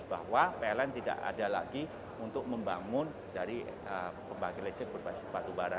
bahwa pln didak ada lagi untuk pembangun dari pembangkit listrik berbasis batu bara